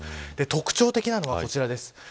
特徴的なのは、こちらです。